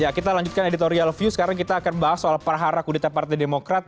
ya kita lanjutkan editorial view sekarang kita akan bahas soal perharak kudeta partai demokrat